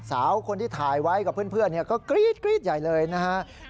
สาวคนที่ถ่ายไว้กับเพื่อนก็กรี๊ดใหญ่เลยนะครับ